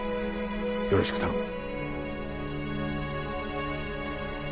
よろしく頼む。